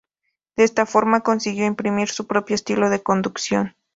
De esta forma, consiguió imprimir su propio estilo de conducción.